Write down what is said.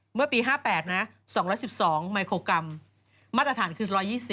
เมื่อปี๕๘นะ๒๑๒ไมโครกรัมมาตรฐานคือ๑๒๐